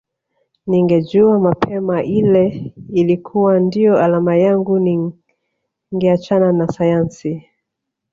Ningejua mapema ile ilikuwa ndiyo alama yangu ningeachana na sayansi